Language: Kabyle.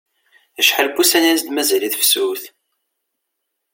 Acḥal n wussan i as-d-mazal i tefsut?